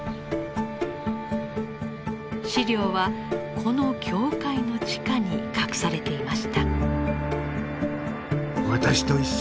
資料はこの教会の地下に隠されていました。